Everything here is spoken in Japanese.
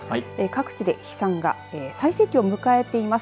各地で飛散が最盛期を迎えています。